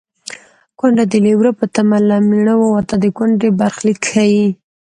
کونډه د لېوره په تمه له مېړه ووته د کونډې برخلیک ښيي